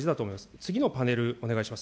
次のパネル、お願いします。